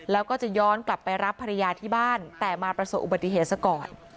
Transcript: แล้วก็จะย้อนกลับไปรับภรรยาที่บ้านแต่มาประสบอุบัติเหตุซะก่อน